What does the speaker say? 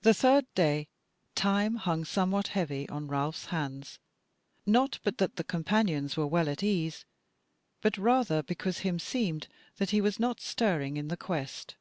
The third day time hung somewhat heavy on Ralph's hands, not but that the Companions were well at ease, but rather because himseemed that he was not stirring in the quest.